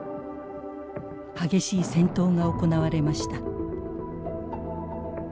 激しい戦闘が行われました。